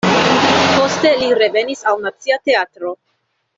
Poste li revenis al Nacia Teatro.